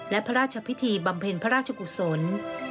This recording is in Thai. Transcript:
และพระราชพิธีบำเพ็ญพระราชกุศล